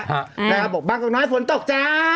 และบังกลุ่มน้อยฝนตกจ้า